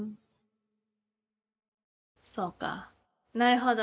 そうかなるほど。